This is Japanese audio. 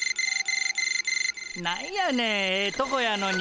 何やねんええとこやのに。